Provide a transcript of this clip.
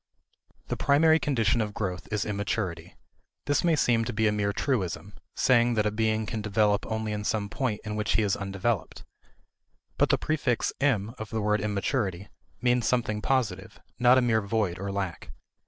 The primary condition of growth is immaturity. This may seem to be a mere truism saying that a being can develop only in some point in which he is undeveloped. But the prefix "im" of the word immaturity means something positive, not a mere void or lack.